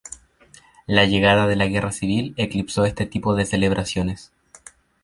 La llegada de la Guerra Civil, eclipso este tipo de celebraciones.